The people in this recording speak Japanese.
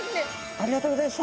ありがとうございます。